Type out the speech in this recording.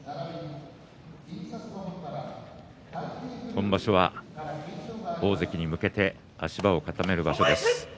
今場所は大関に向けて足場を固める場所です。